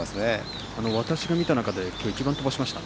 私が見た中で一番、飛ばしました。